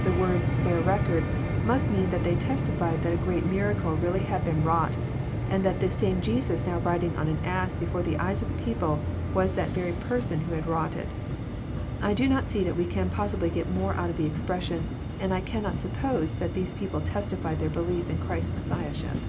The words, " bare record," must mean that they testified that a great miracle really had been wrought, and that this same Jesus, now riding on an ass before the eyes of the people, was that very Person who had wrought it. I do not see that we can possibly get more out of the expression, and I cannot suppose that these people testified their belief in Christ's Messiahship.